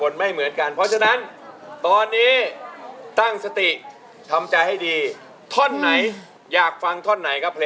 แผ่นไหนครับ